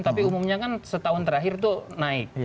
tapi umumnya kan setahun terakhir itu naik